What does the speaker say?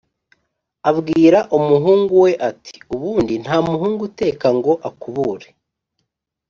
abwira umuhungu we ati: “Ubundi nta muhungu uteka ngo akubure.